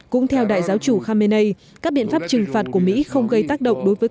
cũng theo đại giáo chủ khamenei các biện pháp trừng phạt của mỹ không gây tác động đối với